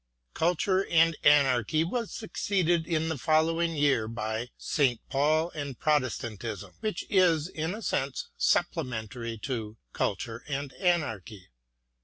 Culture and Anarchy " was succeeded in the following year by " St. Paul and Protestantism," which is in a sense supplementary to " Culture and Anarchy."